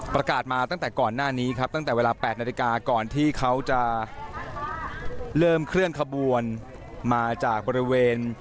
ประกาศมาตั้งแต่ก่อนหน้านี้ครับตั้งแต่เวลา๘นาฬิกาก่อนที่เขาจะเริ่มเคลื่อนขบวนมาจากบริเวณ